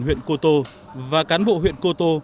huyện cô tô và cán bộ huyện cô tô